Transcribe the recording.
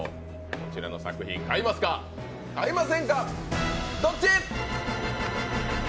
こちらの作品、買いますか、買いませんか。